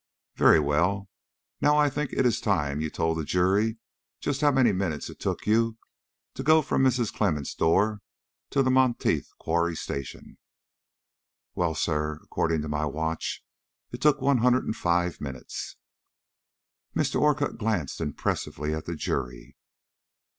"Very well; now I think it is time you told the jury just how many minutes it took you to go from Mrs. Clemmens' door to the Monteith Quarry Station." "Well, sir, according to my watch, it took one hundred and five minutes." Mr. Orcutt glanced impressively at the jury.